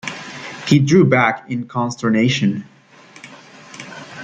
He drew back in consternation.